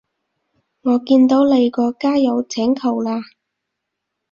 我見到你個加友請求啦